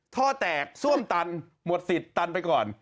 ท่อแตกซ่วมตันหมดสิทธิ์ตันไปก่อน